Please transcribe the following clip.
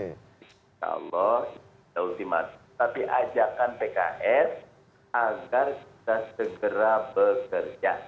insya allah kita ultimasi tapi ajakan pks agar kita segera bekerja